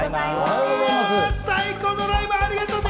最高のライブ、ありがとうね！